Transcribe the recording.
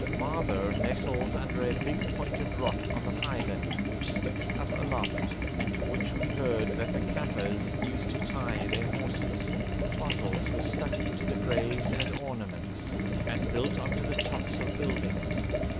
Maaber nestles under a big pointed rock on the highland, which sticks up aloft, and to which we heard that the Kafirs used to tie their horses. Bottles were stuck into the graves as ornaments, and built on to the tops of buildings.